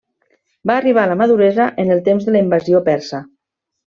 Va arribar a la maduresa en el temps de la invasió persa.